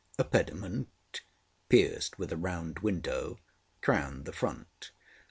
A pediment, pierced with a round window, crowned the front.